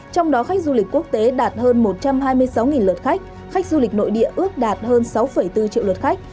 trong đó khách du lịch quốc tế đạt hơn một trăm hai mươi sáu lượt khách khách du lịch nội địa ước đạt hơn sáu bốn triệu lượt khách